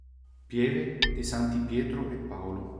Pieve dei Santi Pietro e Paolo